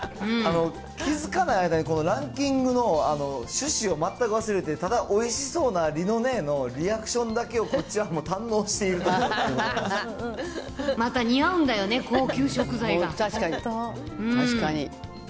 気付かない間にこのランキングの趣旨を全く忘れて、ただおいしそうな梨乃姉のリアクションだけをこちらもたんのうしまた似合うんだよね、高級食確かに。